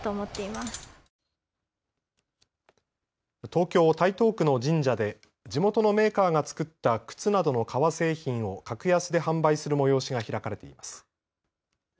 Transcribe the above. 東京・台東区の神社で、地元のメーカーが作った靴などの革製品を格安で販売する催しが開かれています。